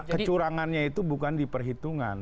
kecurangannya itu bukan diperhitungan